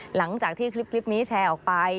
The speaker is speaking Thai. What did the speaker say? หลังจากที่คลิปนี้แชร์ออกไป